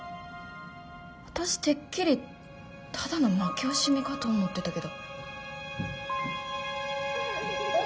私てっきりただの負け惜しみかと思ってたけど。